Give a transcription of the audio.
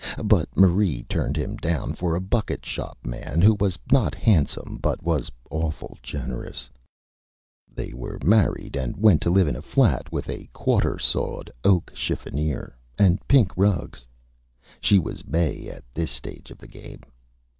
But Marie turned him down for a Bucket Shop Man, who was not Handsome, but was awful Generous. [Illustration: MAE] They were Married, and went to live in a Flat with a Quarter Sawed Oak Chiffonier and Pink Rugs. She was Mae at this Stage of the Game.